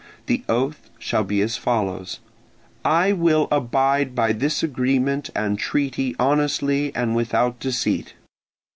The oath shall be as follows; "I will abide by this agreement and treaty honestly and without deceit."